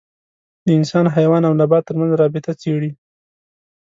د انسان، حیوان او نبات تر منځ رابطه څېړي.